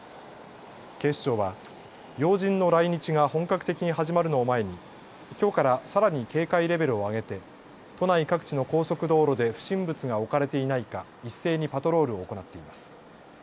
警視庁は要人の来日が本格的に始まるのを前にきょうからさらに警戒レベルを上げて都内各地の高速道路で不審物が置かれていないか一斉にパトロールを行っています。